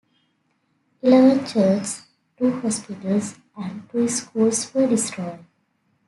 Eleven churches, two hospitals and two schools were destroyed.